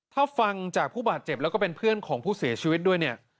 ถ้าฟังจากผู้บาดเจ็บแล้วก็เป็นเพื่อนของผู้เสียชีวิตด้วยเนี่ย